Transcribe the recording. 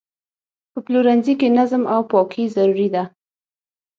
په پلورنځي کې نظم او پاکي ضروري ده.